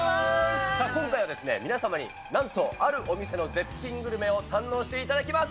今回はですね、皆様になんとあるお店の絶品グルメを堪能していただきます。